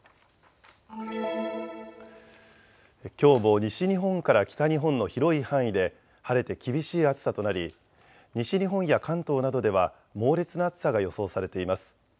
きょうも西日本から北日本の広い範囲で晴れて厳しい暑さとなり、西日本や関東などでは猛烈な暑さが予想されています。